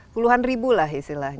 puluhan ribu lah istilahnya